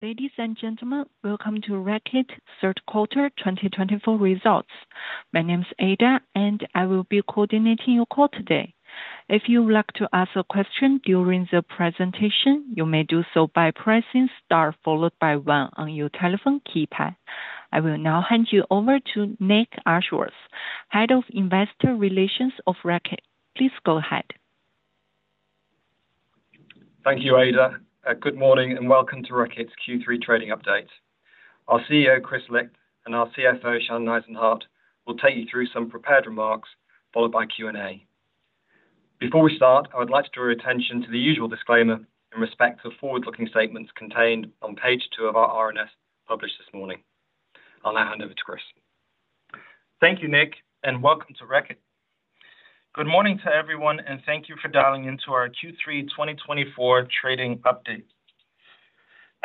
Ladies and gentlemen, welcome to Reckitt third quarter twenty twenty-four results. My name is Ada, and I will be coordinating your call today. If you would like to ask a question during the presentation, you may do so by pressing Star followed by One on your telephone keypad. I will now hand you over to Nick Ashworth, Head of Investor Relations of Reckitt. Please go ahead. Thank you, Ada. Good morning, and welcome to Reckitt's Q3 trading update. Our CEO, Kris Licht, and our CFO, Shannon Eisenhardt, will take you through some prepared remarks, followed by Q&A. Before we start, I would like to draw your attention to the usual disclaimer in respect to forward-looking statements contained on page two of our RNS, published this morning. I'll now hand over to Kris. Thank you, Nick, and welcome to Reckitt. Good morning to everyone, and thank you for dialing into our Q3 twenty twenty-four trading update.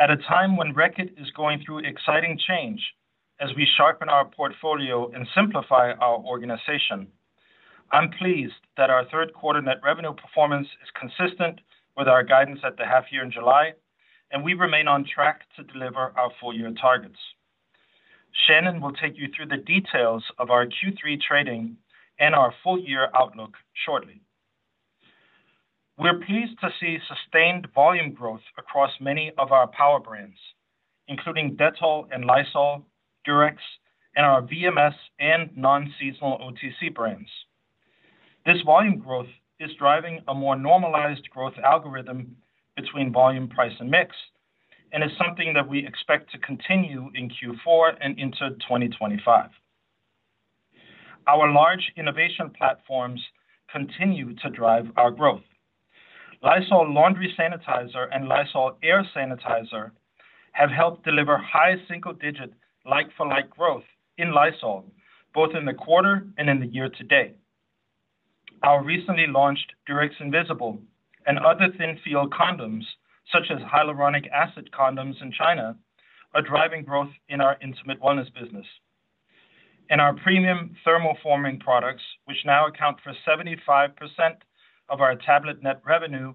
At a time when Reckitt is going through exciting change, as we sharpen our portfolio and simplify our organization, I'm pleased that our third quarter net revenue performance is consistent with our guidance at the half year in July, and we remain on track to deliver our full-year targets. Shannon will take you through the details of our Q3 trading and our full year outlook shortly. We're pleased to see sustained volume growth across many of our power brands, including Dettol and Lysol, Durex, and our VMS and non-seasonal OTC bmrands. This volume growth is driving a more normalized growth algorithm between volume, price and mix, and it's something that we expect to continue in Q4 and into twenty twenty-five. Our large innovation platforms continue to drive our growth. Lysol Laundry Sanitizer and Lysol Air Sanitizer have helped deliver high single digit like-for-like growth in Lysol, both in the quarter and in the year to date. Our recently launched Durex Invisible and other thin-feel condoms, such as hyaluronic acid condoms in China, are driving growth in our intimate wellness business. And our premium thermoforming products, which now account for 75% of our tablet net revenue,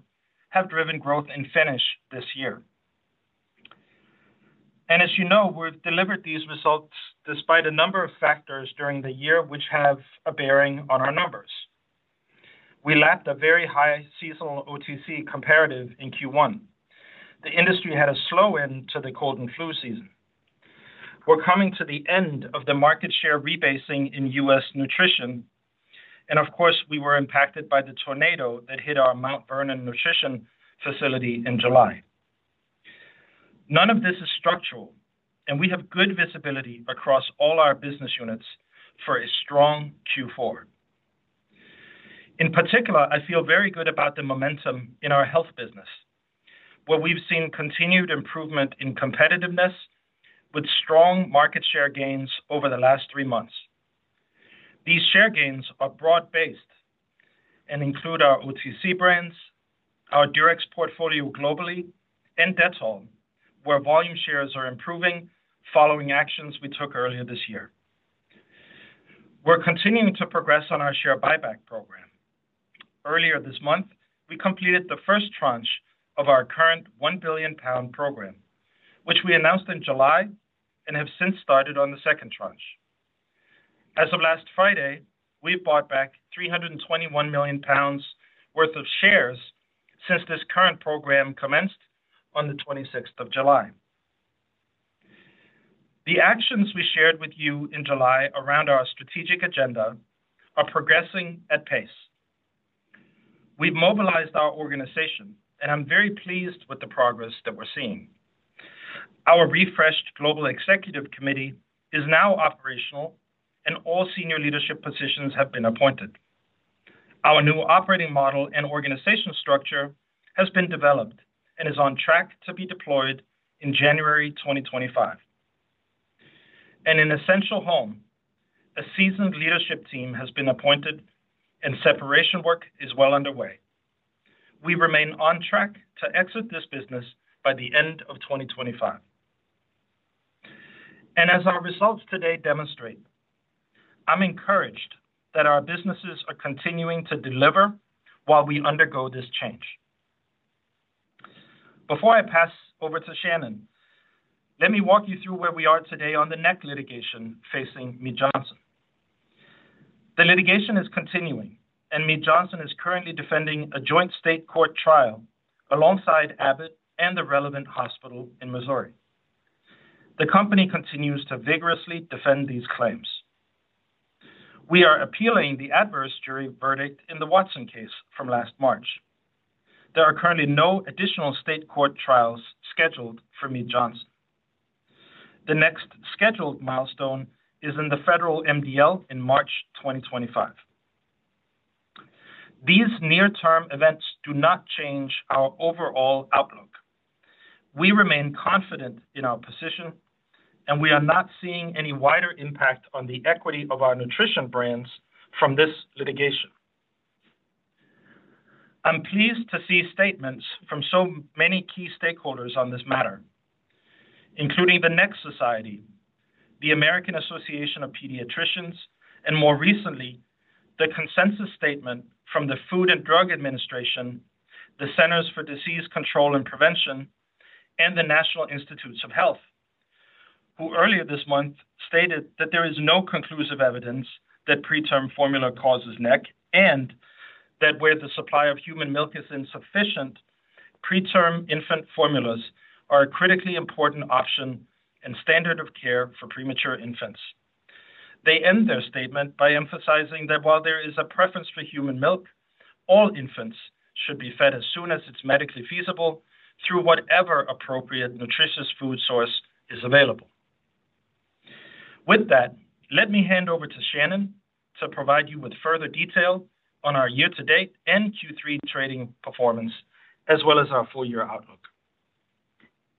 have driven growth in Finish this year. And as you know, we've delivered these results despite a number of factors during the year, which have a bearing on our numbers. We lapped a very high seasonal OTC comparative in Q1. The industry had a slow end to the cold and flu season. We're coming to the end of the market share rebasing in US nutrition, and of course, we were impacted by the tornado that hit our Mount Vernon nutrition facility in July. None of this is structural, and we have good visibility across all our business units for a strong Q4. In particular, I feel very good about the momentum in our health business, where we've seen continued improvement in competitiveness with strong market share gains over the last three months. These share gains are broad-based and include our OTC brands, our Durex portfolio globally, and Dettol, where volume shares are improving following actions we took earlier this year. We're continuing to progress on our share buyback program. Earlier this month, we completed the first tranche of our current 1 billion pound program, which we announced in July and have since started on the second tranche. As of last Friday, we've bought back 321 million pounds worth of shares since this current program commenced on the twenty-sixth of July. The actions we shared with you in July around our strategic agenda are progressing at pace. We've mobilized our organization, and I'm very pleased with the progress that we're seeing. Our refreshed global executive committee is now operational, and all senior leadership positions have been appointed. Our new operating model and organizational structure has been developed and is on track to be deployed in January twenty twenty-five, and in Essential Home, a seasoned leadership team has been appointed, and separation work is well underway. We remain on track to exit this business by the end of twenty twenty-five, and as our results today demonstrate, I'm encouraged that our businesses are continuing to deliver while we undergo this change. Before I pass over to Shannon, let me walk you through where we are today on the NEC litigation facing Mead Johnson. The litigation is continuing, and Mead Johnson is currently defending a joint state court trial alongside Abbott and the relevant hospital in Missouri. The company continues to vigorously defend these claims. We are appealing the adverse jury verdict in the Watson case from last March. There are currently no additional state court trials scheduled for Mead Johnson. The next scheduled milestone is in the federal MDL in March twenty twenty-five. These near-term events do not change our overall outlook. We remain confident in our position, and we are not seeing any wider impact on the equity of our nutrition brands from this litigation. I'm pleased to see statements from so many key stakeholders on this matter, including the NEC Society... The American Academy of Pediatrics, and more recently, the consensus statement from the Food and Drug Administration, the Centers for Disease Control and Prevention, and the National Institutes of Health, who earlier this month stated that there is no conclusive evidence that preterm formula causes NEC, and that where the supply of human milk is insufficient, preterm infant formulas are a critically important option and standard of care for premature infants. They end their statement by emphasizing that while there is a preference for human milk, all infants should be fed as soon as it's medically feasible through whatever appropriate nutritious food source is available. With that, let me hand over to Shannon to provide you with further detail on our year-to-date and Q3 trading performance, as well as our full-year outlook.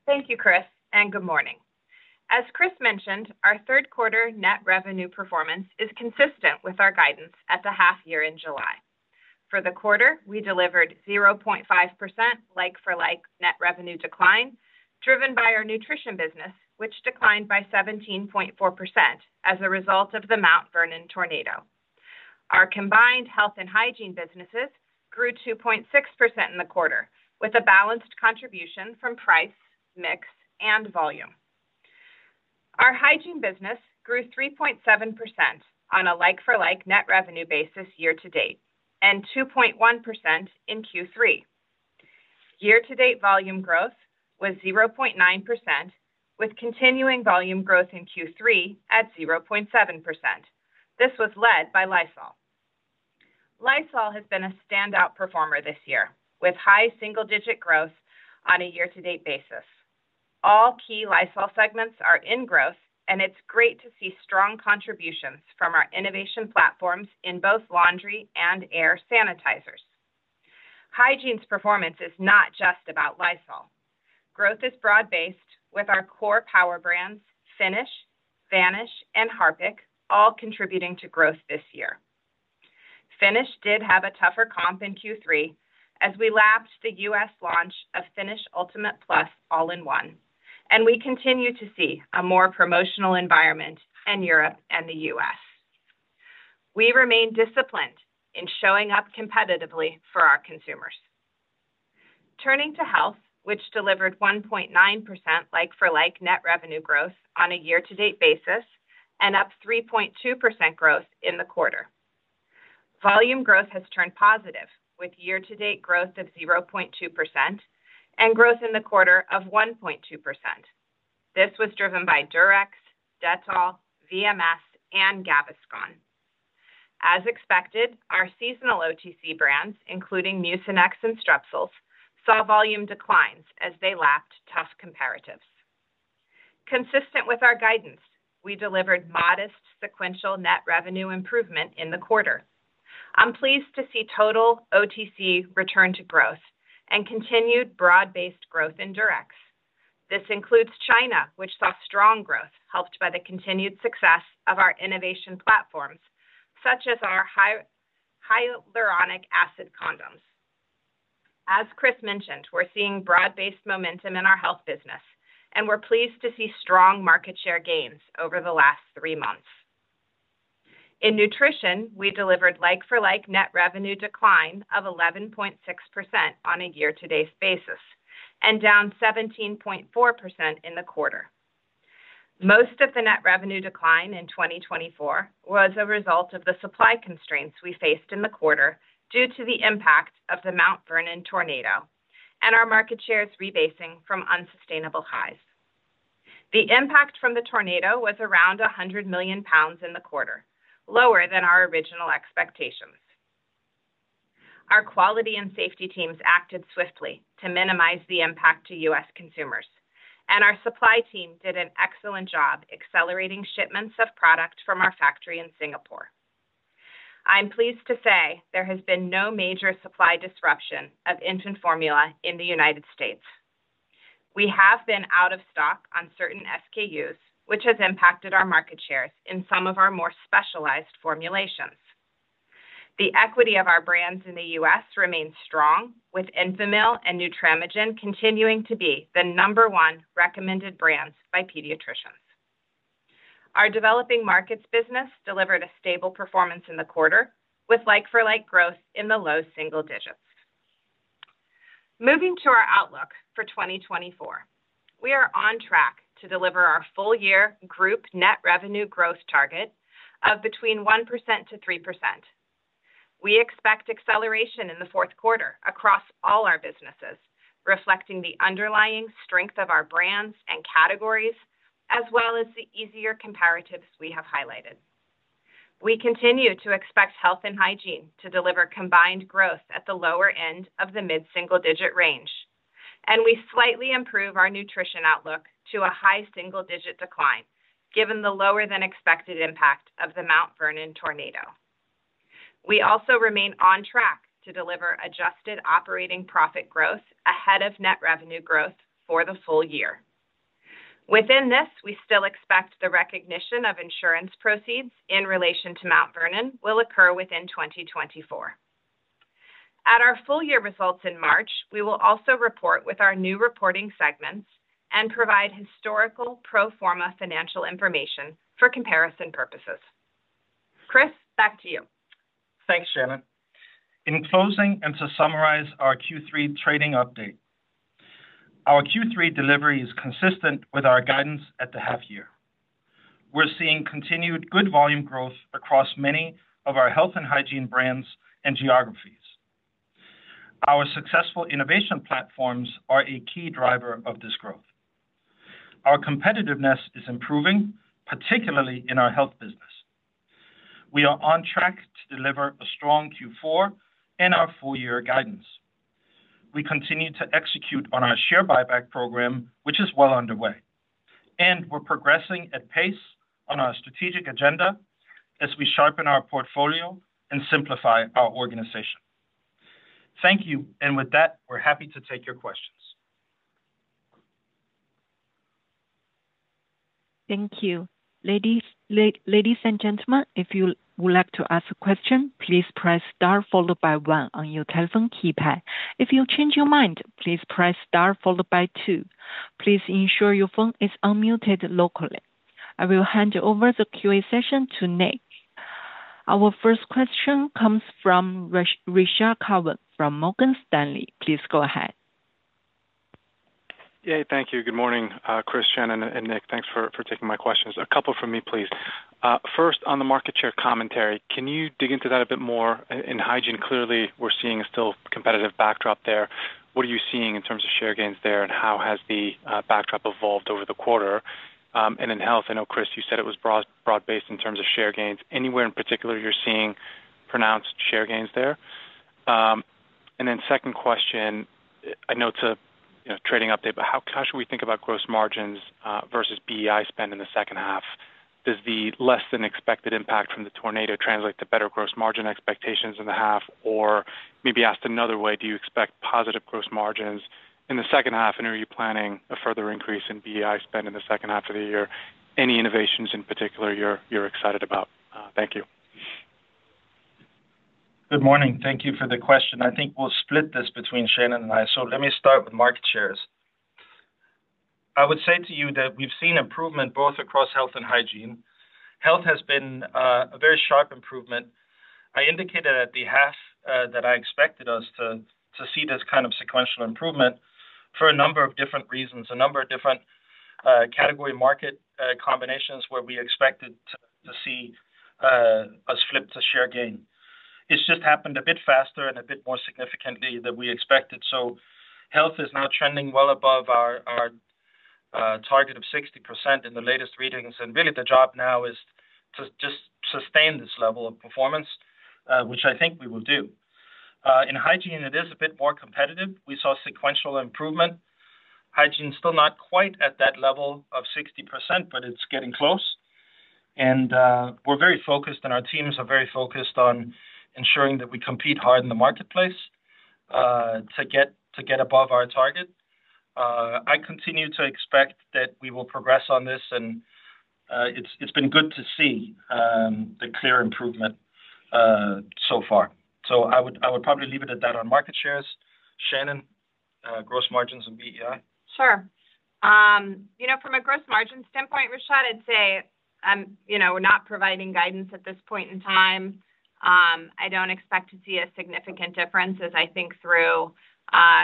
Thank you, Chris, and good morning. As Kris mentioned, our third quarter net revenue performance is consistent with our guidance at the half year in July. For the quarter, we delivered 0.5% like-for-like net revenue decline, driven by our nutrition business, which declined by 17.4% as a result of the Mount Vernon tornado. Our combined health and hygiene businesses grew 2.6% in the quarter, with a balanced contribution from price, mix, and volume. Our hygiene business grew 3.7% on a like-for-like net revenue basis year to date, and 2.1% in Q3. Year to date volume growth was 0.9%, with continuing volume growth in Q3 at 0.7%. This was led by Lysol. Lysol has been a standout performer this year, with high single-digit growth on a year-to-date basis. All key Lysol segments are in growth, and it's great to see strong contributions from our innovation platforms in both laundry and air sanitizers. Hygiene's performance is not just about Lysol. Growth is broad-based with our core power brands, Finish, Vanish, and Harpic, all contributing to growth this year. Finish did have a tougher comp in Q3 as we lapsed the U.S. launch of Finish Ultimate Plus All-in-One, and we continue to see a more promotional environment in Europe and the U.S. We remain disciplined in showing up competitively for our consumers. Turning to health, which delivered 1.9% like-for-like net revenue growth on a year-to-date basis, and up 3.2% growth in the quarter. Volume growth has turned positive, with year-to-date growth of 0.2% and growth in the quarter of 1.2%. This was driven by Durex, Dettol, VMS, and Gaviscon. As expected, our seasonal OTC brands, including Mucinex and Strepsils, saw volume declines as they lapped tough comparatives. Consistent with our guidance, we delivered modest sequential net revenue improvement in the quarter. I'm pleased to see total OTC return to growth and continued broad-based growth in Durex. This includes China, which saw strong growth, helped by the continued success of our innovation platforms, such as our hyaluronic acid condoms. As Chris mentioned, we're seeing broad-based momentum in our health business, and we're pleased to see strong market share gains over the last three months. In nutrition, we delivered like-for-like net revenue decline of 11.6% on a year-to-date basis, and down 17.4% in the quarter. Most of the net revenue decline in 2024 was a result of the supply constraints we faced in the quarter due to the impact of the Mount Vernon tornado and our market shares rebasing from unsustainable highs. The impact from the tornado was around 100 million pounds in the quarter, lower than our original expectations. Our quality and safety teams acted swiftly to minimize the impact to U.S. consumers, and our supply team did an excellent job accelerating shipments of product from our factory in Singapore. I'm pleased to say there has been no major supply disruption of infant formula in the United States. We have been out of stock on certain SKUs, which has impacted our market shares in some of our more specialized formulations. The equity of our brands in the U.S. remains strong, with Enfamil and Nutramigen continuing to be the number one recommended brands by pediatricians. Our developing markets business delivered a stable performance in the quarter, with like-for-like growth in the low single digits. Moving to our outlook for twenty twenty-four, we are on track to deliver our full-year group net revenue growth target of between 1% to 3%. We expect acceleration in the fourth quarter across all our businesses, reflecting the underlying strength of our brands and categories, as well as the easier comparatives we have highlighted. We continue to expect health and hygiene to deliver combined growth at the lower end of the mid-single-digit range, and we slightly improve our nutrition outlook to a high single-digit decline, given the lower-than-expected impact of the Mount Vernon tornado. We also remain on track to deliver adjusted operating profit growth ahead of net revenue growth for the full year. Within this, we still expect the recognition of insurance proceeds in relation to Mount Vernon will occur within twenty twenty-four. At our full year results in March, we will also report with our new reporting segments and provide historical pro forma financial information for comparison purposes. Chris, back to you. Thanks, Shannon. In closing, and to summarize our Q3 trading update, our Q3 delivery is consistent with our guidance at the half year. We're seeing continued good volume growth across many of our health and hygiene brands and geographies. Our successful innovation platforms are a key driver of this growth. Our competitiveness is improving, particularly in our health business. We are on track to deliver a strong Q4 in our full year guidance. We continue to execute on our share buyback program, which is well underway, and we're progressing at pace on our strategic agenda as we sharpen our portfolio and simplify our organization. Thank you, and with that, we're happy to take your questions. Thank you. Ladies and gentlemen, if you would like to ask a question, please press star followed by one on your telephone keypad. If you change your mind, please press star followed by two. Please ensure your phone is unmuted locally. I will hand over the QA session to Nick. Our first question comes from Rashad Kawan from Morgan Stanley. Please go ahead. Yeah, thank you. Good morning, Chris, Shannon, and Nick. Thanks for taking my questions. A couple from me, please. First, on the market share commentary, can you dig into that a bit more? In hygiene, clearly, we're seeing a still competitive backdrop there. What are you seeing in terms of share gains there, and how has the backdrop evolved over the quarter? And in health, I know, Chris, you said it was broad-based in terms of share gains. Anywhere in particular, you're seeing pronounced share gains there? And then second question, I know it's a, you know, trading update, but how should we think about gross margins versus BEI spend in the second half? Does the less than expected impact from the tornado translate to better gross margin expectations in the half? Or maybe asked another way, do you expect positive gross margins in the second half, and are you planning a further increase in BEI spend in the second half of the year? Any innovations in particular you're excited about? Thank you. Good morning. Thank you for the question. I think we'll split this between Shannon and I. So let me start with market shares. I would say to you that we've seen improvement both across health and hygiene. Health has been a very sharp improvement. I indicated at the half that I expected us to see this kind of sequential improvement for a number of different reasons, a number of different category market combinations, where we expected to see us flip to share gain. It's just happened a bit faster and a bit more significantly than we expected. So health is now trending well above our target of 60% in the latest readings, and really, the job now is to just sustain this level of performance, which I think we will do. In hygiene, it is a bit more competitive. We saw sequential improvement. Hygiene is still not quite at that level of 60%, but it's getting close. And, we're very focused, and our teams are very focused on ensuring that we compete hard in the marketplace, to get above our target. I continue to expect that we will progress on this, and, it's been good to see the clear improvement so far. So I would probably leave it at that on market shares. Shannon, gross margins and BEI? Sure. You know, from a gross margin standpoint, Rashad, I'd say, you know, we're not providing guidance at this point in time. I don't expect to see a significant difference as I think through,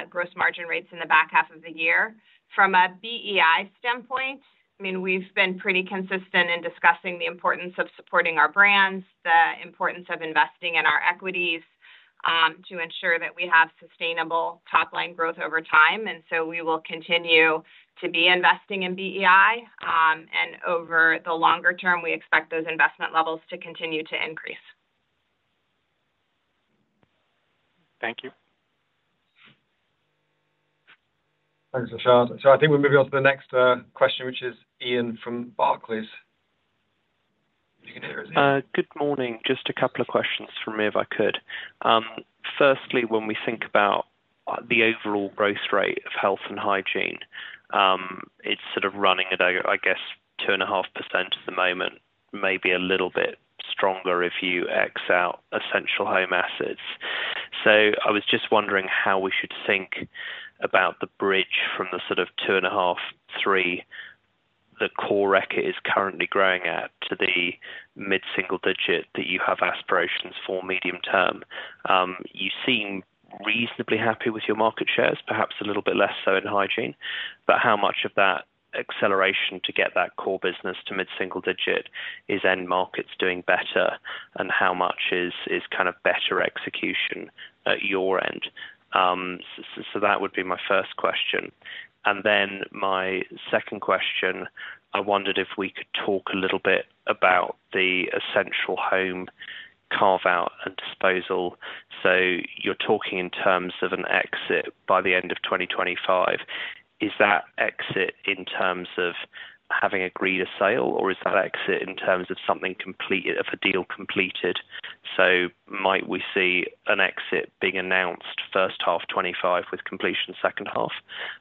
gross margin rates in the back half of the year. From a BEI standpoint, I mean, we've been pretty consistent in discussing the importance of supporting our brands, the importance of investing in our equities, to ensure that we have sustainable top-line growth over time, and so we will continue to be investing in BEI, and over the longer term, we expect those investment levels to continue to increase. Thank you. Thanks, Rashad. So I think we're moving on to the next question, which is Iain from Barclays. If you can hear us, Iain. Good morning. Just a couple of questions from me, if I could. Firstly, when we think about the overall growth rate of health and hygiene, it's sort of running at, I guess, 2.5% at the moment, maybe a little bit stronger if you X out Essential Home assets. So I was just wondering how we should think about the bridge from the sort of 2.5-3%, the core Reckitt is currently growing at, to the mid-single-digit that you have aspirations for medium term. You seem reasonably happy with your market shares, perhaps a little bit less so in hygiene, but how much of that acceleration to get that core business to mid-single-digit is end markets doing better, and how much is kind of better execution at your end? So that would be my first question. And then my second question, I wondered if we could talk a little bit about the Essential Home carve-out and disposal. So you're talking in terms of an exit by the end of 2025. Is that exit in terms of having agreed a sale, or is that exit in terms of something completed of a deal completed? So might we see an exit being announced first half 2025, with completion second half?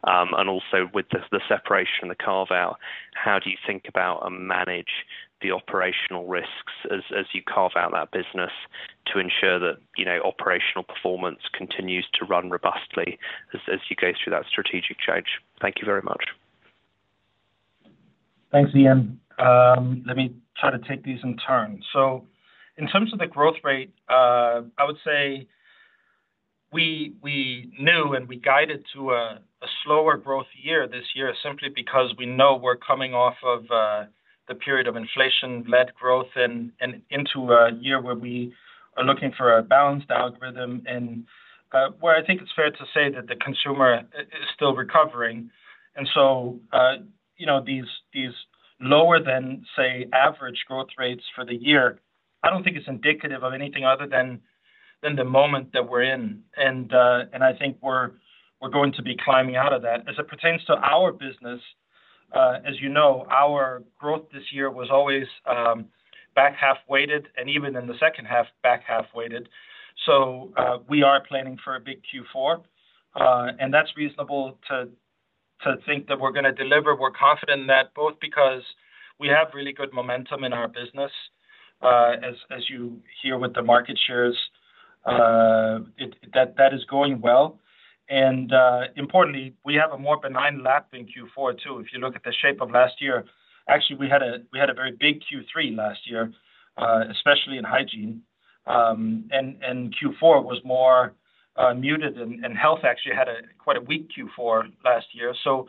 And also with the separation, the carve-out, how do you think about and manage the operational risks as you carve out that business to ensure that, you know, operational performance continues to run robustly as you go through that strategic change? Thank you very much. Thanks, Ian. Let me try to take these in turn. So in terms of the growth rate, I would say we knew and we guided to a slower growth year this year, simply because we know we're coming off of the period of inflation-led growth and into a year where we are looking for a balanced algorithm, and where I think it's fair to say that the consumer is still recovering. And so you know, these lower than, say, average growth rates for the year, I don't think it's indicative of anything other than the moment that we're in, and I think we're going to be climbing out of that. As it pertains to our business, as you know, our growth this year was always back half weighted, and even in the second half, back half weighted. So, we are planning for a big Q4. And that's reasonable to think that we're gonna deliver. We're confident in that, both because we have really good momentum in our business, as you hear with the market shares. That is going well, and importantly, we have a more benign lapped in Q4, too. If you look at the shape of last year, actually, we had a very big Q3 last year, especially in hygiene. And Q4 was more muted, and health actually had quite a weak Q4 last year. So,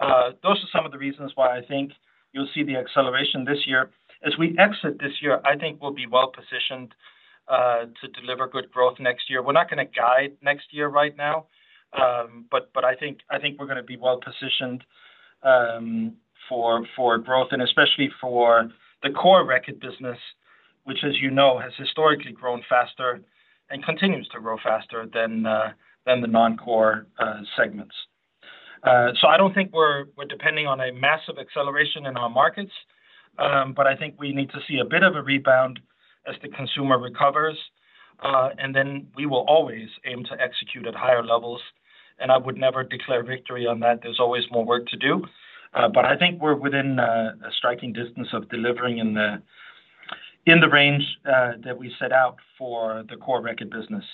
those are some of the reasons why I think you'll see the acceleration this year. As we exit this year, I think we'll be well positioned to deliver good growth next year. We're not gonna guide next year right now, but I think we're gonna be well positioned for growth, and especially for the core Reckitt business, which, as you know, has historically grown faster and continues to grow faster than the non-core segments. So I don't think we're depending on a massive acceleration in our markets, but I think we need to see a bit of a rebound as the consumer recovers, and then we will always aim to execute at higher levels, and I would never declare victory on that. There's always more work to do, but I think we're within a striking distance of delivering in the range that we set out for the core Reckitt business.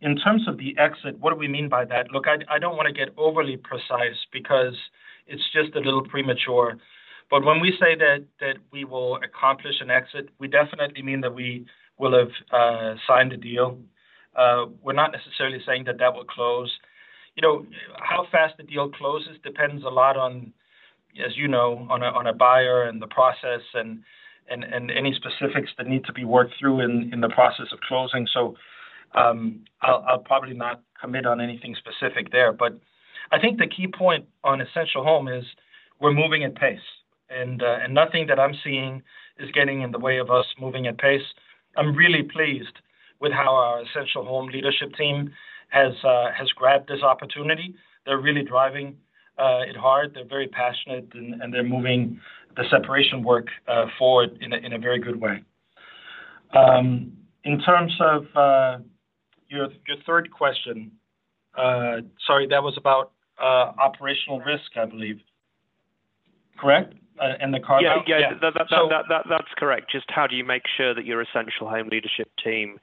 In terms of the exit, what do we mean by that? Look, I don't wanna get overly precise because it's just a little premature, but when we say that we will accomplish an exit, we definitely mean that we will have signed a deal. We're not necessarily saying that will close. You know, how fast the deal closes depends a lot on, as you know, on a buyer and the process and any specifics that need to be worked through in the process of closing. So, I'll probably not commit on anything specific there, but I think the key point on Essential Home is we're moving at pace, and nothing that I'm seeing is getting in the way of us moving at pace. I'm really pleased with how our Essential Home leadership team has grabbed this opportunity. They're really driving it hard. They're very passionate, and they're moving the separation work forward in a very good way. In terms of your third question, sorry, that was about operational risk, I believe. Correct? And the carve-out. Yeah. Yeah. So- That's correct. Just how do you make sure that your Essential Home leadership team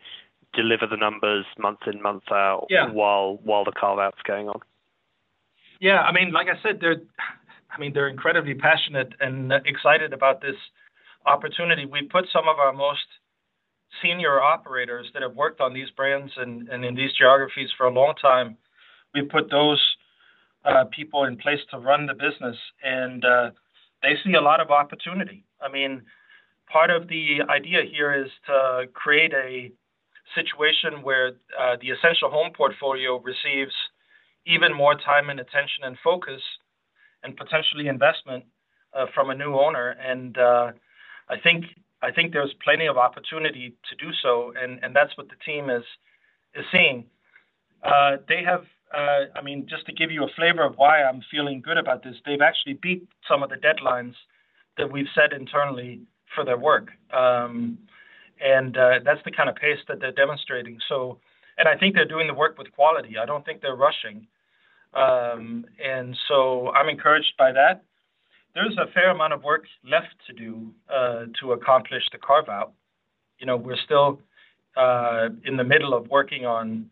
deliver the numbers month in, month out? Yeah... while the carve-out's going on? Yeah, I mean, like I said, they're I mean, they're incredibly passionate and excited about this opportunity. We put some of our most senior operators that have worked on these brands and in these geographies for a long time. We put those people in place to run the business, and they see a lot of opportunity. I mean, part of the idea here is to create a situation where the Essential Home portfolio receives even more time and attention and focus, and potentially investment from a new owner. I think there's plenty of opportunity to do so, and that's what the team is seeing. They have I mean, just to give you a flavor of why I'm feeling good about this, they've actually beat some of the deadlines that we've set internally for their work. That's the kind of pace that they're demonstrating. I think they're doing the work with quality. I don't think they're rushing. I'm encouraged by that. There's a fair amount of work left to do to accomplish the carve-out. You know, we're still in the middle of working on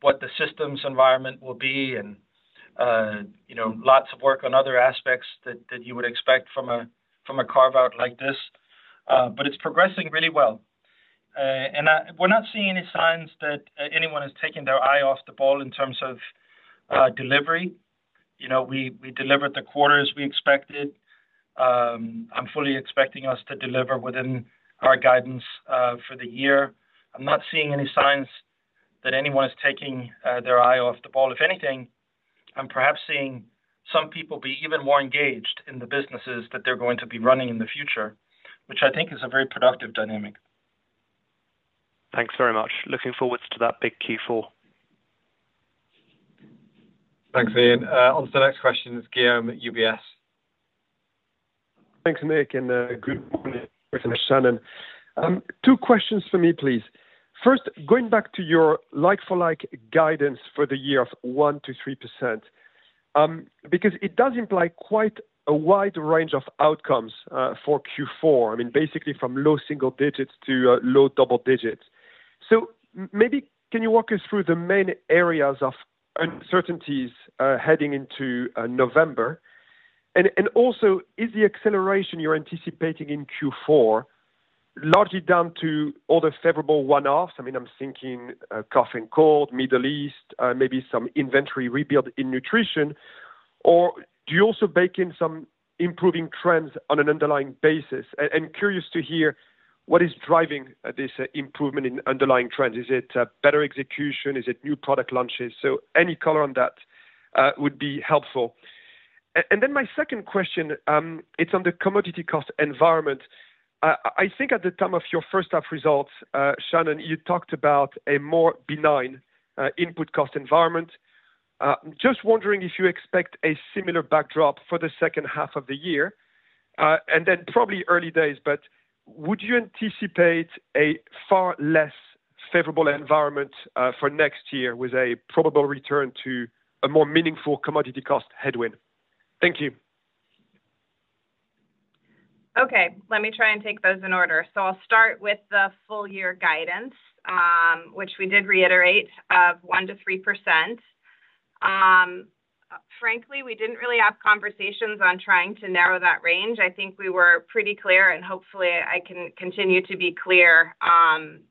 what the systems environment will be and, you know, lots of work on other aspects that you would expect from a carve-out like this, but it's progressing really well. We're not seeing any signs that anyone has taken their eye off the ball in terms of delivery. You know, we delivered the quarter as we expected. I'm fully expecting us to deliver within our guidance for the year. I'm not seeing any signs that anyone is taking their eye off the ball. If anything, I'm perhaps seeing some people be even more engaged in the businesses that they're going to be running in the future, which I think is a very productive dynamic. Thanks very much. Looking forward to that big Q4. Thanks, Ian. Onto the next question, it's Guillaume at UBS. Thanks, Nick, and good morning, Shannon. Two questions for me, please. First, going back to your like-for-like guidance for the year of 1% to 3%, because it does imply quite a wide range of outcomes for Q4. I mean, basically from low single digits to low double digits. So maybe can you walk us through the main areas of uncertainties heading into November? And also, is the acceleration you're anticipating in Q4 largely down to all the favorable one-offs? I mean, I'm thinking cough and cold, Middle East, maybe some inventory rebuild in nutrition, or do you also bake in some improving trends on an underlying basis? I'm curious to hear what is driving this improvement in underlying trends. Is it better execution? Is it new product launches? So any color on that would be helpful. And then my second question, it's on the commodity cost environment. I think at the time of your first half results, Shannon, you talked about a more benign input cost environment. Just wondering if you expect a similar backdrop for the second half of the year? And then probably early days, but would you anticipate a far less favorable environment for next year, with a probable return to a more meaningful commodity cost headwind? Thank you. Okay, let me try and take those in order, so I'll start with the full year guidance, which we did reiterate of 1%-3%. Frankly, we didn't really have conversations on trying to narrow that range. I think we were pretty clear, and hopefully, I can continue to be clear.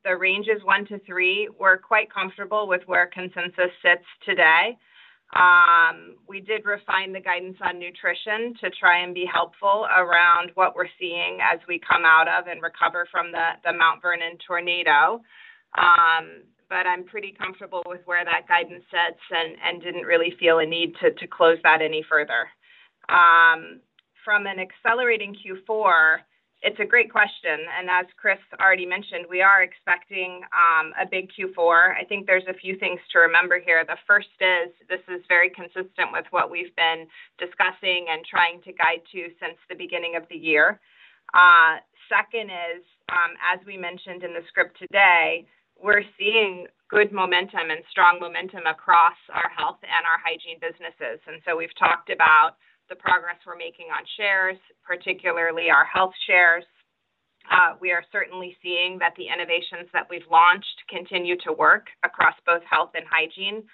The range is 1%-3%. We're quite comfortable with where consensus sits today. We did refine the guidance on nutrition to try and be helpful around what we're seeing as we come out of and recover from the Mount Vernon tornado. But I'm pretty comfortable with where that guidance sits and didn't really feel a need to close that any further. From an accelerating Q4, it's a great question, and as Chris already mentioned, we are expecting a big Q4. I think there's a few things to remember here. The first is, this is very consistent with what we've been discussing and trying to guide to since the beginning of the year. Second is, as we mentioned in the script today, we're seeing good momentum and strong momentum across our health and our hygiene businesses, and so we've talked about the progress we're making on shares, particularly our health shares. We are certainly seeing that the innovations that we've launched continue to work across both health and hygiene.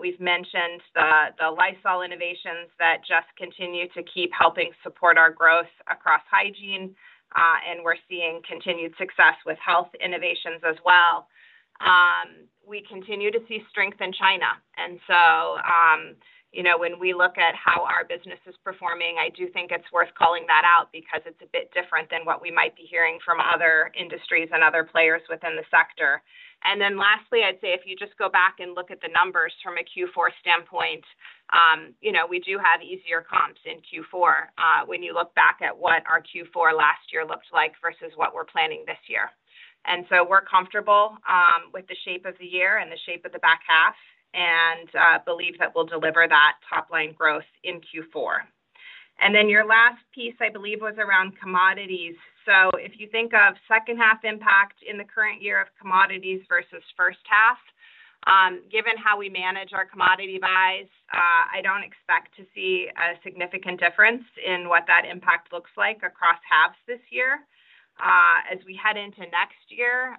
We've mentioned the Lysol innovations that just continue to keep helping support our growth across hygiene, and we're seeing continued success with health innovations as well. We continue to see strength in China, and so, you know, when we look at how our business is performing, I do think it's worth calling that out because it's a bit different than what we might be hearing from other industries and other players within the sector. And then lastly, I'd say if you just go back and look at the numbers from a Q4 standpoint, you know, we do have easier comps in Q4, when you look back at what our Q4 last year looked like versus what we're planning this year. And so we're comfortable, with the shape of the year and the shape of the back half, and, believe that we'll deliver that top-line growth in Q4. And then your last piece, I believe, was around commodities. So if you think of second half impact in the current year of commodities versus first half, given how we manage our commodity buys, I don't expect to see a significant difference in what that impact looks like across halves this year. As we head into next year,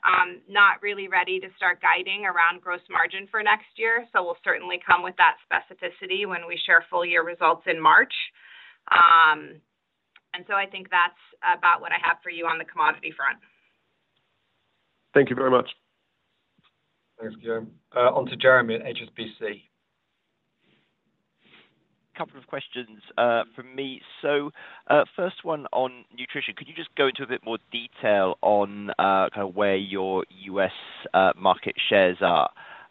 not really ready to start guiding around gross margin for next year, so we'll certainly come with that specificity when we share full year results in March, and so I think that's about what I have for you on the commodity front. Thank you very much. Thanks, Jeremy. On to Jeremy at HSBC. Couple of questions from me. So, first one on nutrition. Could you just go into a bit more detail on kind of where your U.S. market shares are,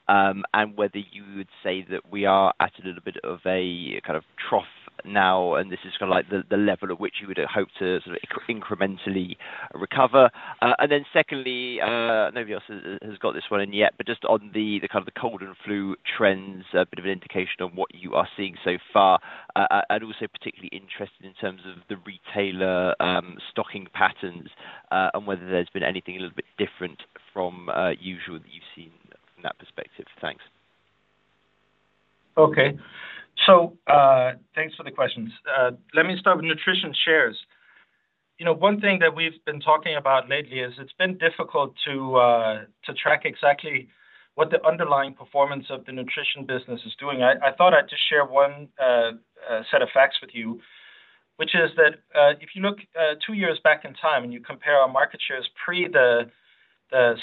and whether you would say that we are at a little bit of a kind of trough now, and this is kinda like the level at which you would hope to sort of incrementally recover? And then secondly, nobody else has got this one in yet, but just on the kind of cold and flu trends, a bit of an indication on what you are seeing so far, and also particularly interested in terms of the retailer stocking patterns, and whether there's been anything a little bit different from usual that you've seen from that perspective. Thanks. Okay. So thanks for the questions. Let me start with nutrition shares. You know, one thing that we've been talking about lately is it's been difficult to track exactly what the underlying performance of the nutrition business is doing. I thought I'd just share one set of facts with you, which is that if you look two years back in time, and you compare our market shares pre the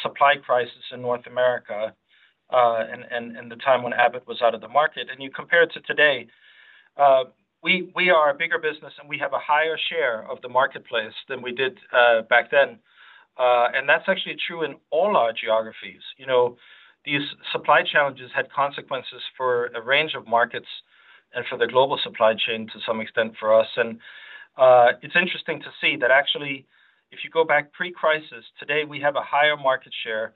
supply crisis in North America, and the time when Abbott was out of the market, and you compare it to today, we are a bigger business, and we have a higher share of the marketplace than we did back then. And that's actually true in all our geographies. You know, these supply challenges had consequences for a range of markets and for the global supply chain to some extent for us, and it's interesting to see that actually, if you go back pre-crisis, today we have a higher market share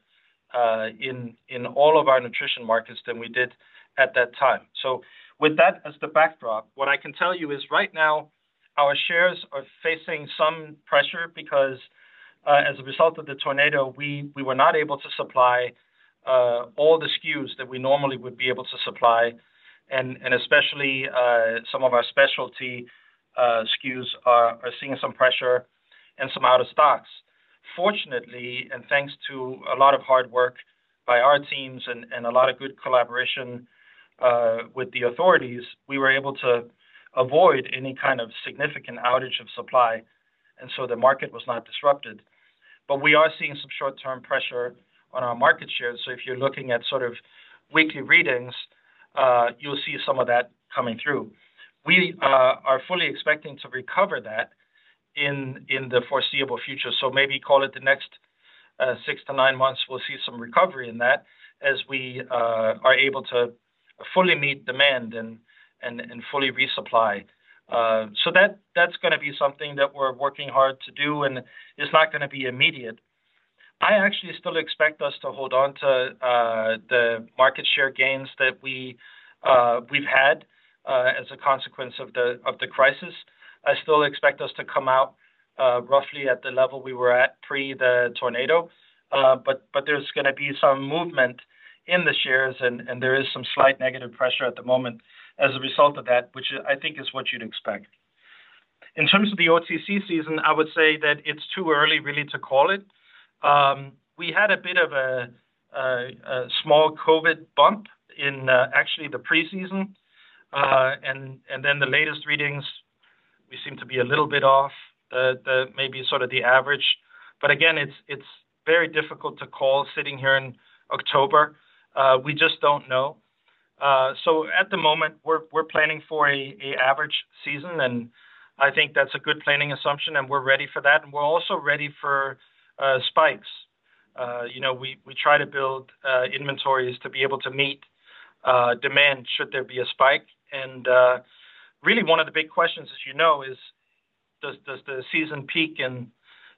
in all of our nutrition markets than we did at that time, with that as the backdrop, what I can tell you is right now our shares are facing some pressure because as a result of the tornado, we were not able to supply all the SKUs that we normally would be able to supply, and especially some of our specialty SKUs are seeing some pressure and some out of stocks. Fortunately, and thanks to a lot of hard work by our teams and a lot of good collaboration with the authorities, we were able to avoid any kind of significant outage of supply, and so the market was not disrupted. But we are seeing some short-term pressure on our market shares. So if you're looking at sort of weekly readings, you'll see some of that coming through. We are fully expecting to recover that in the foreseeable future. So maybe call it the next six to nine months, we'll see some recovery in that as we are able to fully meet demand and fully resupply. So that, that's gonna be something that we're working hard to do, and it's not gonna be immediate. I actually still expect us to hold on to the market share gains that we've had as a consequence of the crisis. I still expect us to come out roughly at the level we were at pre the tornado. But there's gonna be some movement in the shares, and there is some slight negative pressure at the moment as a result of that, which I think is what you'd expect. In terms of the OTC season, I would say that it's too early really to call it. We had a bit of a small COVID bump in actually the preseason. And then the latest readings, we seem to be a little bit off the maybe sort of the average. But again, it's very difficult to call sitting here in October. We just don't know. So at the moment, we're planning for an average season, and I think that's a good planning assumption, and we're ready for that. We're also ready for spikes. You know, we try to build inventories to be able to meet demand should there be a spike. Really one of the big questions, as you know, is does the season peak in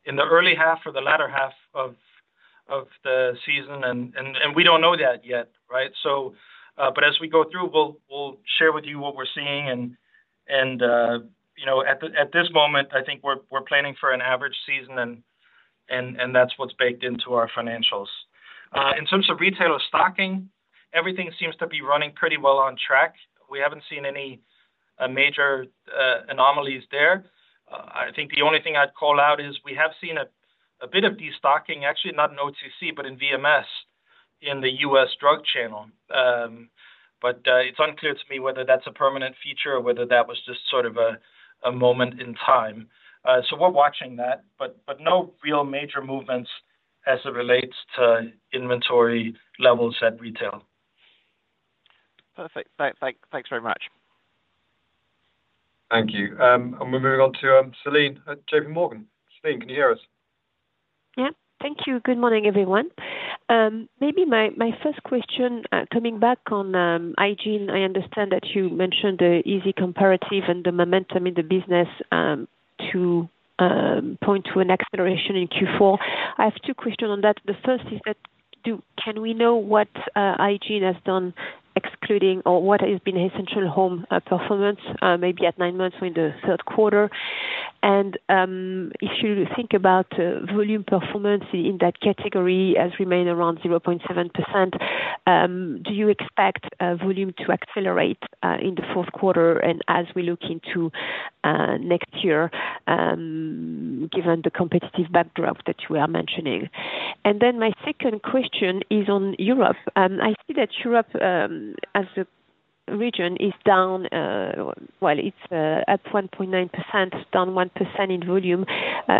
the early half or the latter half of the season? We don't know that yet, right? But as we go through, we'll share with you what we're seeing. You know, at this moment, I think we're planning for an average season, and that's what's baked into our financials. In terms of retailer stocking, everything seems to be running pretty well on track. We haven't seen any major anomalies there. I think the only thing I'd call out is, we have seen a bit of destocking, actually, not in OTC, but in VMS, in the U.S. drug channel, but it's unclear to me whether that's a permanent feature or whether that was just sort of a moment in time, so we're watching that, but no real major movements as it relates to inventory levels at retail. Perfect. Thanks very much. Thank you. And we're moving on to Celine at JP Morgan. Celine, can you hear us? Yeah. Thank you. Good morning, everyone. Maybe my first question coming back on hygiene. I understand that you mentioned the easy comparative and the momentum in the business to point to an acceleration in Q4. I have two question on that. The first is that can we know what hygiene has done excluding or what has been Essential Home performance maybe at nine months in the third quarter? And if you think about volume performance in that category has remained around 0.7%, do you expect volume to accelerate in the fourth quarter and as we look into next year given the competitive backdrop that you are mentioning? And then my second question is on Europe. I see that Europe, as a region, is down, while it's at 1.9%, down 1% in volume.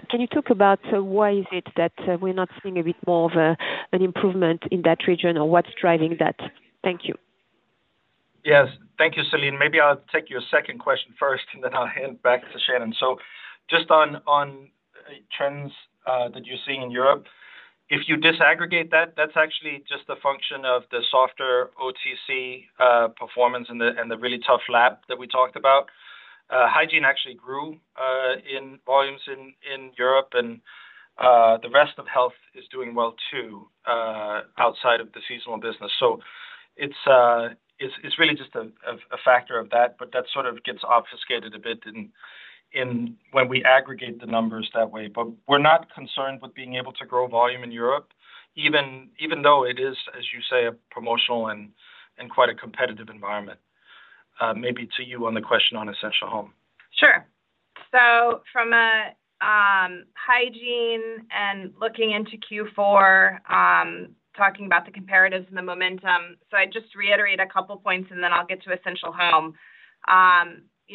Can you talk about why is it that we're not seeing a bit more of an improvement in that region, or what's driving that? Thank you. Yes. Thank you, Celine. Maybe I'll take your second question first, and then I'll hand back to Shannon. So just on trends that you're seeing in Europe, if you disaggregate that, that's actually just a function of the softer OTC performance and the really tough lull that we talked about. Hygiene actually grew in volumes in Europe, and the rest of health is doing well too outside of the seasonal business. So it's really just a factor of that, but that sort of gets obfuscated a bit in when we aggregate the numbers that way. But we're not concerned with being able to grow volume in Europe, even though it is, as you say, a promotional and quite a competitive environment. Maybe to you on the question on Essential Home. Sure. So from a hygiene and looking into Q4, talking about the comparatives and the momentum, so I'd just reiterate a couple points and then I'll get to Essential Home. You know,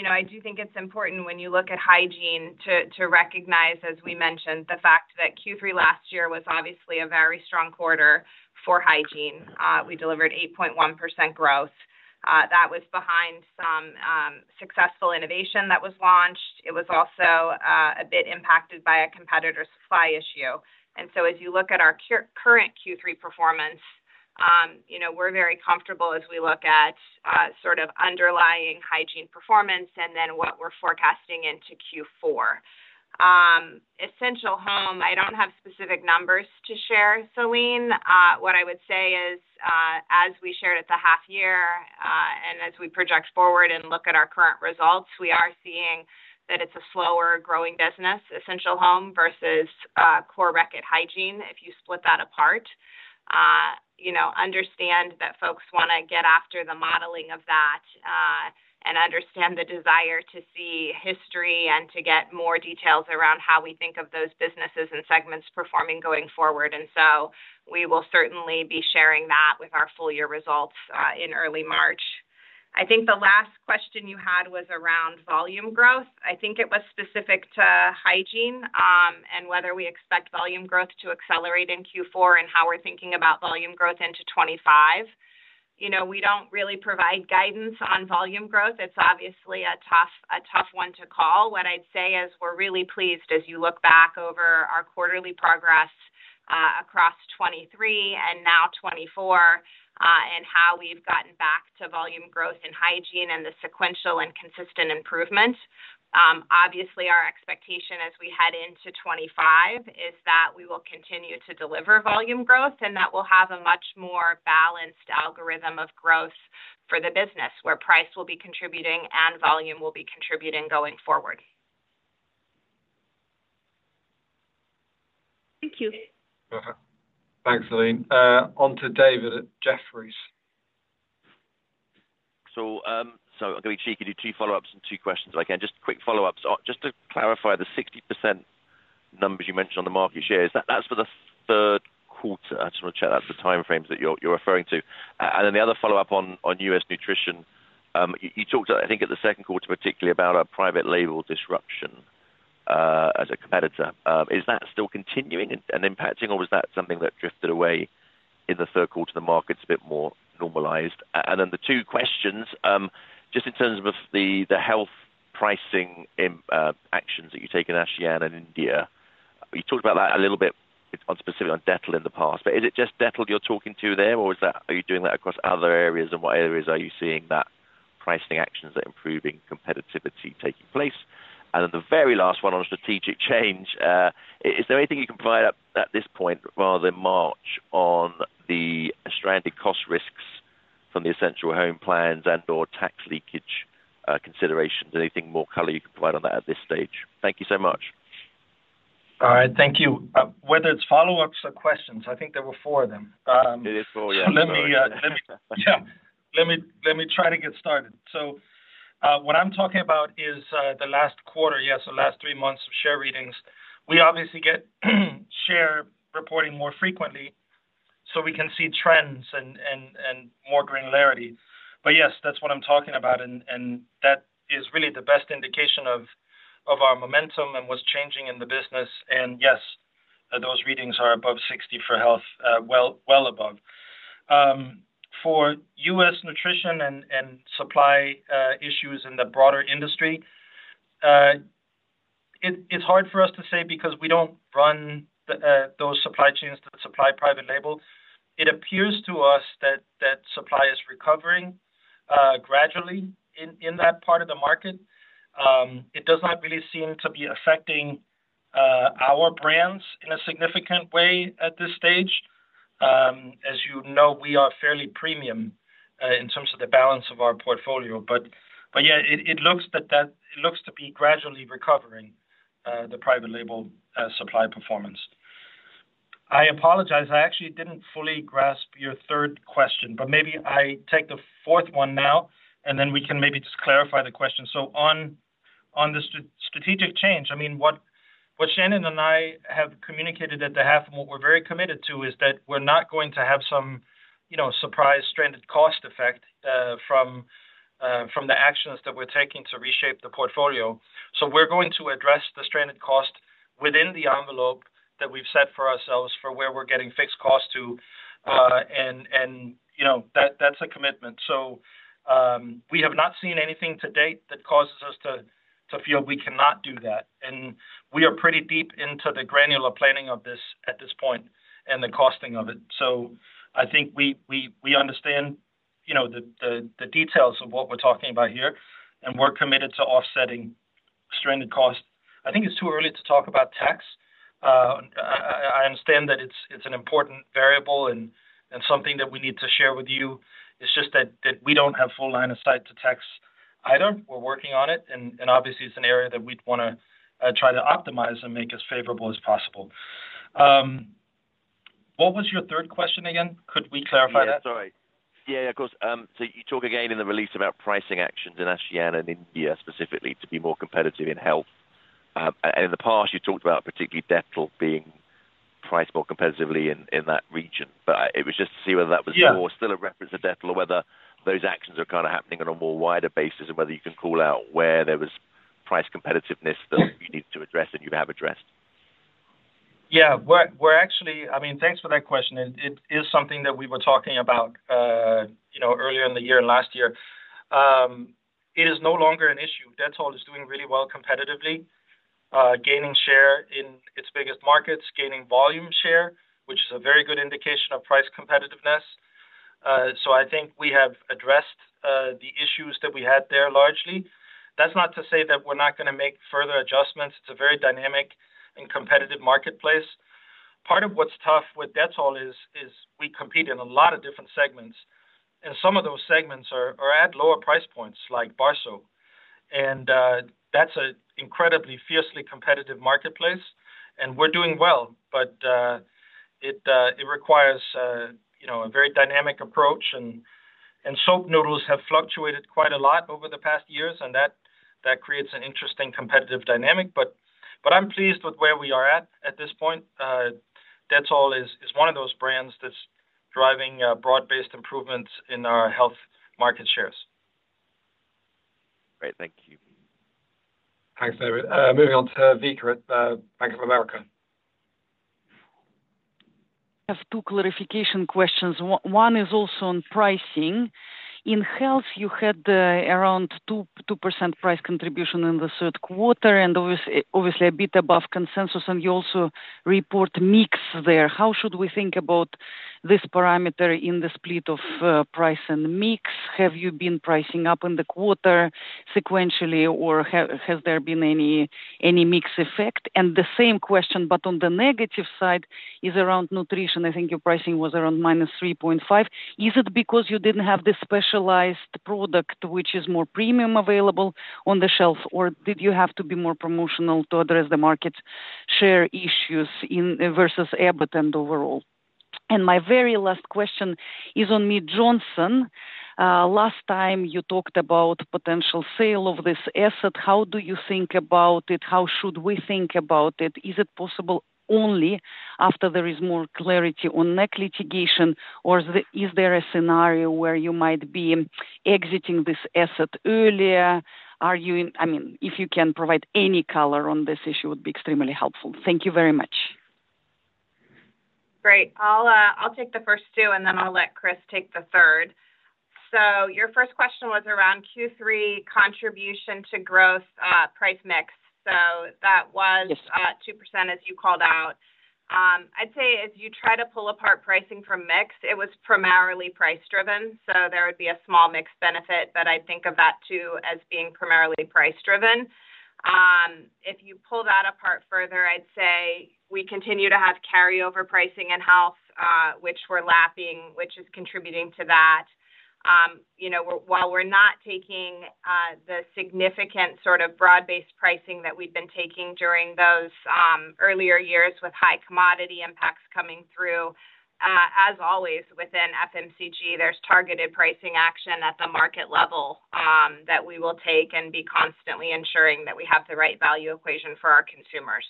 I do think it's important when you look at hygiene to recognize, as we mentioned, the fact that Q3 last year was obviously a very strong quarter for hygiene. We delivered 8.1% growth. That was behind some successful innovation that was launched. It was also a bit impacted by a competitor supply issue. And so as you look at our current Q3 performance, you know, we're very comfortable as we look at sort of underlying hygiene performance and then what we're forecasting into Q4.... Essential Home, I don't have specific numbers to share, Celine. What I would say is, as we shared at the half year, and as we project forward and look at our current results, we are seeing that it's a slower-growing business, Essential Home, versus core Reckitt Hygiene, if you split that apart. You know, understand that folks wanna get after the modeling of that, and understand the desire to see history and to get more details around how we think of those businesses and segments performing going forward. And so we will certainly be sharing that with our full year results in early March. I think the last question you had was around volume growth. I think it was specific to hygiene, and whether we expect volume growth to accelerate in Q4 and how we're thinking about volume growth into 2025. You know, we don't really provide guidance on volume growth. It's obviously a tough one to call. What I'd say is we're really pleased as you look back over our quarterly progress, across 2023 and now 2024, and how we've gotten back to volume growth in hygiene and the sequential and consistent improvement. Obviously, our expectation as we head into 2025 is that we will continue to deliver volume growth, and that will have a much more balanced algorithm of growth for the business, where price will be contributing and volume will be contributing going forward. Thank you. Thanks, Celine. On to David at Jefferies. I'm gonna be cheeky, do two follow-ups and two questions if I can. Just quick follow-ups. Just to clarify, the 60% numbers you mentioned on the market share, is that's for the third quarter? I just wanna check that, the time frames that you're referring to. And then the other follow-up on US Nutrition. You talked, I think, at the second quarter, particularly about a private label disruption as a competitor. Is that still continuing and impacting, or was that something that drifted away in the third quarter, the market's a bit more normalized? And then the two questions, just in terms of the health pricing actions that you take in ASEAN and India, you talked about that a little bit specifically on Dettol in the past, but is it just Dettol you're talking to there, or is that... Are you doing that across other areas, and what areas are you seeing that pricing actions are improving, competitiveness taking place? And then the very last one on strategic change, is there anything you can provide at this point, rather than March, on the stranded cost risks from the Essential Home plans and/or tax leakage considerations? Anything more color you can provide on that at this stage? Thank you so much. All right. Thank you. Whether it's follow-ups or questions, I think there were four of them. It is four, yeah. So let me try to get started. Yeah. So what I'm talking about is the last quarter, yes, so last three months of share readings. We obviously get share reporting more frequently, so we can see trends and more granularity. But yes, that's what I'm talking about, and that is really the best indication of our momentum and what's changing in the business. And yes, those readings are above 60 for health, well above. For US nutrition and supply issues in the broader industry, it's hard for us to say because we don't run those supply chains that supply private label. It appears to us that supply is recovering gradually in that part of the market. It does not really seem to be affecting our brands in a significant way at this stage. As you know, we are fairly premium in terms of the balance of our portfolio. But yeah, it looks to be gradually recovering the private label supply performance. I apologize. I actually didn't fully grasp your third question, but maybe I take the fourth one now, and then we can maybe just clarify the question. So on the strategic change, I mean, what Shannon and I have communicated at the half, and what we're very committed to, is that we're not going to have some, you know, surprise stranded cost effect from the actions that we're taking to reshape the portfolio. So we're going to address the stranded cost within the envelope that we've set for ourselves for where we're getting fixed costs to, and you know, that's a commitment. So we have not seen anything to date that causes us to feel we cannot do that. And we are pretty deep into the granular planning of this at this point and the costing of it. So I think we understand, you know, the details of what we're talking about here, and we're committed to offsetting stranded costs. I think it's too early to talk about tax. I understand that it's an important variable and something that we need to share with you. It's just that we don't have full line of sight to tax either. We're working on it, and obviously, it's an area that we'd wanna try to optimize and make as favorable as possible. What was your third question again? Could we clarify that? Yeah, sorry. Yeah, yeah, of course. So you talk again in the release about pricing actions in ASEAN and India, specifically to be more competitive in health. And in the past, you talked about particularly Dettol being priced more competitively in that region. But it was just to see whether that was- Yeah... more still a reference to Dettol, or whether those actions are kind of happening on a more wider basis, and whether you can call out where there was price competitiveness- Yeah that you needed to address and you have addressed. Yeah. We're actually—I mean, thanks for that question. It is something that we were talking about, you know, earlier in the year and last year. It is no longer an issue. Dettol is doing really well competitively, gaining share in its biggest markets, gaining volume share, which is a very good indication of price competitiveness. So I think we have addressed that we had there largely. That's not to say that we're not gonna make further adjustments. It's a very dynamic and competitive marketplace. Part of what's tough with Dettol is we compete in a lot of different segments, and some of those segments are at lower price points, like bar soap. And that's an incredibly fiercely competitive marketplace, and we're doing well. But it requires, you know, a very dynamic approach, and soap noodles have fluctuated quite a lot over the past years, and that creates an interesting competitive dynamic. But I'm pleased with where we are at this point. Dettol is one of those brands that's driving broad-based improvements in our health market shares. Great, thank you. Thanks, David. Moving on to Vika at Bank of America. I have two clarification questions. One is also on pricing. In health, you had around 2% price contribution in the third quarter, and obviously a bit above consensus, and you also report mix there. How should we think about this parameter in the split of price and mix? Have you been pricing up in the quarter sequentially, or has there been any mix effect? And the same question, but on the negative side, is around nutrition. I think your pricing was around -3.5%. Is it because you didn't have the specialized product, which is more premium available on the shelf, or did you have to be more promotional to address the market share issues in versus Abbott and overall? And my very last question is on Mead Johnson. Last time you talked about potential sale of this asset, how do you think about it? How should we think about it? Is it possible only after there is more clarity on NEC litigation, or is there a scenario where you might be exiting this asset earlier? I mean, if you can provide any color on this issue, would be extremely helpful. Thank you very much. Great. I'll take the first two, and then I'll let Chris take the third. So your first question was around Q3 contribution to growth, price mix. So that was- Yes. 2%, as you called out. I'd say as you try to pull apart pricing from mix, it was primarily price driven, so there would be a small mix benefit, but I think of that, too, as being primarily price driven. If you pull that apart further, I'd say we continue to have carryover pricing in health, which we're lapping, which is contributing to that. You know, while we're not taking the significant sort of broad-based pricing that we've been taking during those earlier years with high commodity impacts coming through, as always, within FMCG, there's targeted pricing action at the market level that we will take and be constantly ensuring that we have the right value equation for our consumers.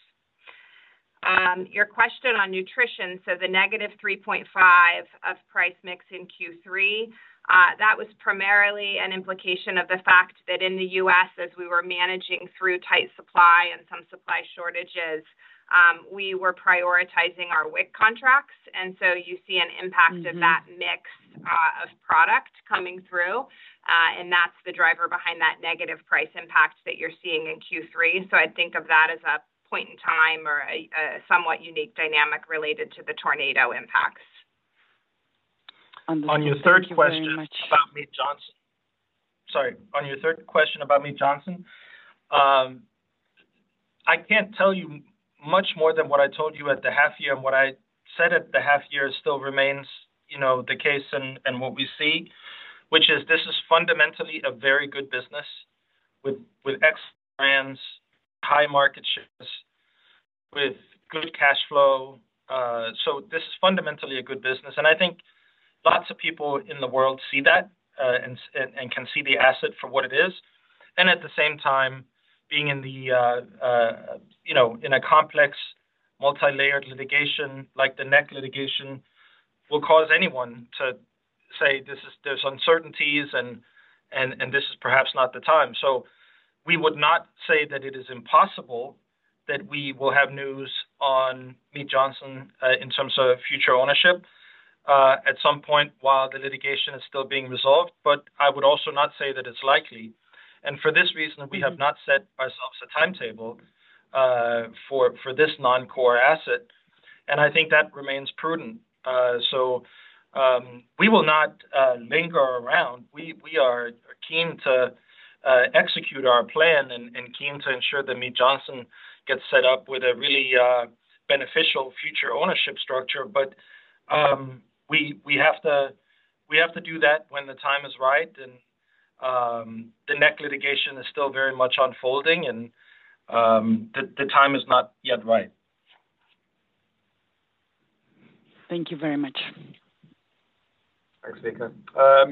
Your question on nutrition, so the negative 3.5 of price mix in Q3, that was primarily an implication of the fact that in the U.S., as we were managing through tight supply and some supply shortages, we were prioritizing our WIC contracts, and so you see an impact- Mm-hmm. - of that mix, of product coming through, and that's the driver behind that negative price impact that you're seeing in Q3. So I'd think of that as a point in time or a somewhat unique dynamic related to the tornado impacts. Understood. Thank you very much. On your third question about Mead Johnson... Sorry, on your third question about Mead Johnson, I can't tell you much more than what I told you at the half year, and what I said at the half year still remains, you know, the case and what we see, which is this is fundamentally a very good business with excellent brands, high market shares, with good cash flow. So this is fundamentally a good business, and I think lots of people in the world see that, and can see the asset for what it is. And at the same time, being in the, you know, in a complex, multilayered litigation, like the NEC litigation, will cause anyone to say, "This is. There's uncertainties and this is perhaps not the time." So we would not say that it is impossible that we will have news on Mead Johnson, in terms of future ownership, at some point while the litigation is still being resolved, but I would also not say that it's likely. And for this reason, we have not set ourselves a timetable, for this non-core asset, and I think that remains prudent. We will not linger around. We are keen to execute our plan and keen to ensure that Mead Johnson gets set up with a really, beneficial future ownership structure. But we have to do that when the time is right, and the NEC litigation is still very much unfolding, and the time is not yet right. Thank you very much. Thanks, Vika.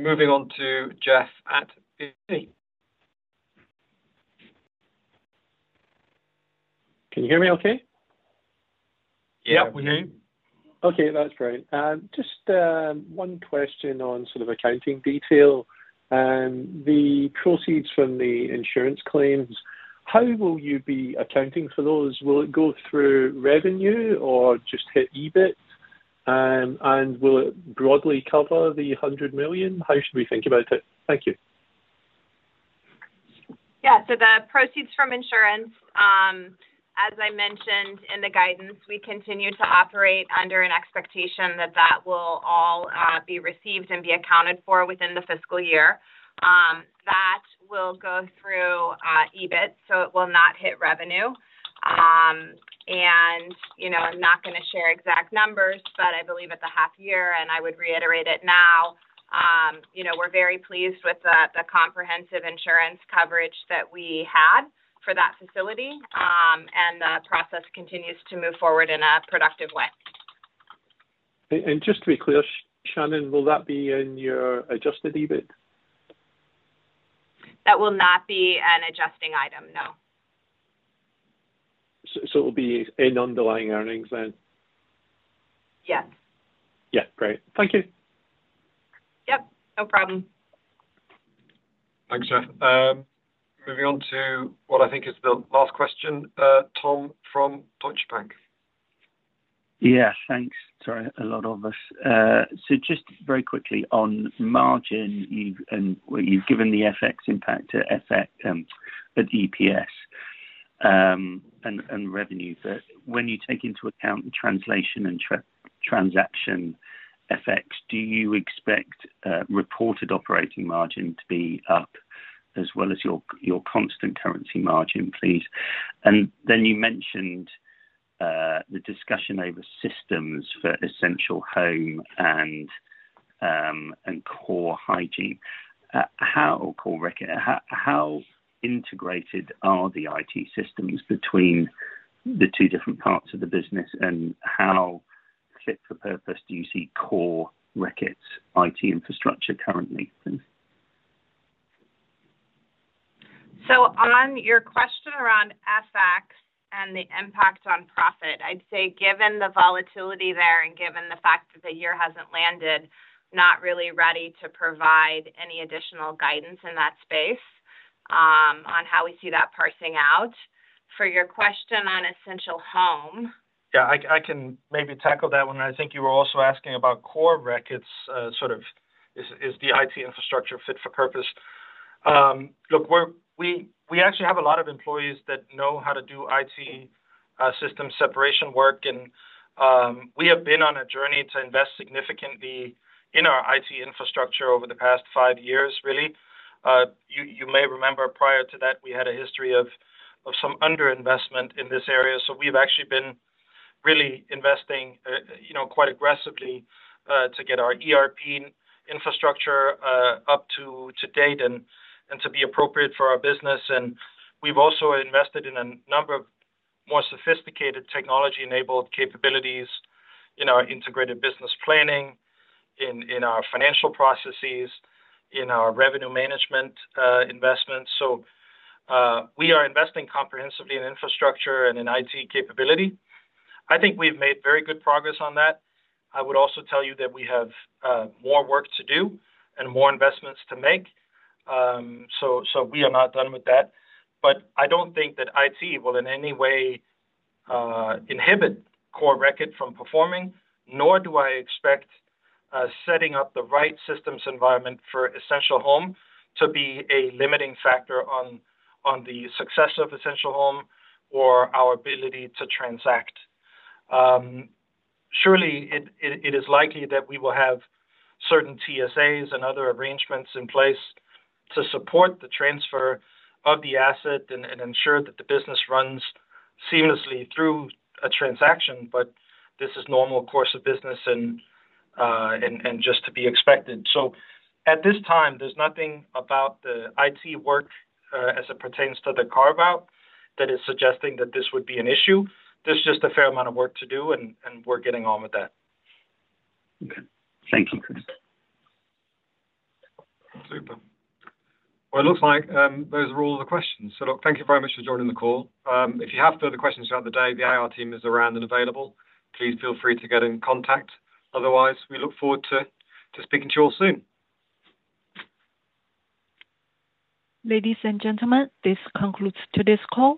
Moving on to Jeff at BC. Can you hear me okay? Yeah, we can. Okay, that's great. Just one question on sort of accounting detail. The proceeds from the insurance claims, how will you be accounting for those? Will it go through revenue or just hit EBIT? And will it broadly cover the hundred million? How should we think about it? Thank you.... So the proceeds from insurance, as I mentioned in the guidance, we continue to operate under an expectation that that will all be received and be accounted for within the fiscal year. That will go through EBIT, so it will not hit revenue. And, you know, I'm not gonna share exact numbers, but I believe at the half year, and I would reiterate it now, you know, we're very pleased with the comprehensive insurance coverage that we had for that facility. And the process continues to move forward in a productive way. Just to be clear, Shannon, will that be in your adjusted EBIT? That will not be an adjusting item, no. It will be in underlying earnings then? Yes. Yeah. Great. Thank you. Yep, no problem. Thanks, Jeff. Moving on to what I think is the last question, Tom, from Deutsche Bank. Yeah, thanks. Sorry, a lot of us. So just very quickly, on margin, you've... And well, you've given the FX impact to FX, the DPS, and revenue. But when you take into account the translation and transaction effects, do you expect reported operating margin to be up as well as your constant currency margin, please? And then you mentioned the discussion over systems for Essential Home and core hygiene. How integrated are the IT systems between the two different parts of the business, and how fit for purpose do you see core Reckitt's IT infrastructure currently? Thanks. So on your question around FX and the impact on profit, I'd say, given the volatility there and given the fact that the year hasn't landed, not really ready to provide any additional guidance in that space, on how we see that parsing out. For your question on Essential Home- Yeah, I can maybe tackle that one. I think you were also asking about core Reckitt's is the IT infrastructure fit for purpose? Look, we actually have a lot of employees that know how to do IT system separation work, and we have been on a journey to invest significantly in our IT infrastructure over the past five years, really. You may remember prior to that, we had a history of some underinvestment in this area, so we've actually been really investing, you know, quite aggressively, to get our ERP infrastructure up to date and to be appropriate for our business. And we've also invested in a number of more sophisticated technology-enabled capabilities in our integrated business planning, in our financial processes, in our revenue management investments. So we are investing comprehensively in infrastructure and in IT capability. I think we've made very good progress on that. I would also tell you that we have more work to do and more investments to make. We are not done with that. But I don't think that IT will in any way inhibit core Reckitt from performing, nor do I expect setting up the right systems environment for Essential Home to be a limiting factor on the success of Essential Home or our ability to transact. Surely, it is likely that we will have certain TSAs and other arrangements in place to support the transfer of the asset and ensure that the business runs seamlessly through a transaction, but this is normal course of business and just to be expected. So at this time, there's nothing about the IT work as it pertains to the carve-out that is suggesting that this would be an issue. There's just a fair amount of work to do, and we're getting on with that. Okay. Thank you, Kris. Super. Well, it looks like those are all the questions. So look, thank you very much for joining the call. If you have further questions throughout the day, the IR team is around and available. Please feel free to get in contact. Otherwise, we look forward to speaking to you all soon. Ladies and gentlemen, this concludes today's call.